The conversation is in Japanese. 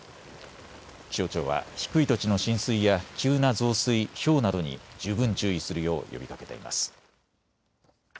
気象庁は低い土地の浸水や急な増水、ひょうなどに十分注意するよう呼びかけています。